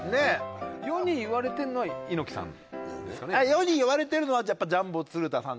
世に言われてるのはやっぱジャンボ鶴田さん